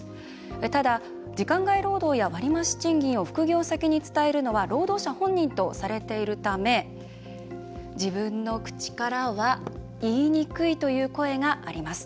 ただ、時間外労働や割増賃金を副業先に伝えるのは労働者本人とされているため自分の口からは言いにくいという声があります。